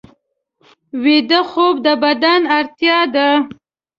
ویده خوب د بدن اړتیا ده